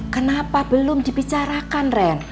kenapa belum dibicarakan ren